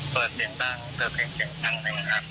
เปิดเสียงดังเปลือกเพลงเพลงดังนะครับ